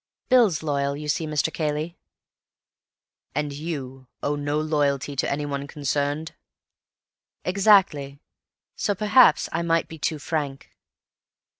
"Bill's loyal, you see, Mr. Cayley." "And you owe no loyalty to anyone concerned?" "Exactly. So perhaps I might be too frank."